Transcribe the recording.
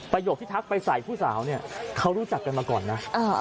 ที่ทักไปใส่ผู้สาวเนี่ยเขารู้จักกันมาก่อนนะ